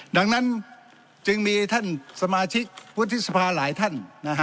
ดังนั้นจึงมีท่านสมาชิกวุฒิสภาหลายท่าน